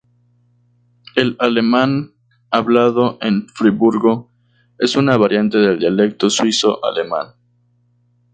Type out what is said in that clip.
El alemán hablado en Friburgo es una variante del dialecto Suizo alemán.